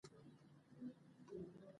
د منابعو ښه کارول د ټولنې پرمختګ زیاتوي.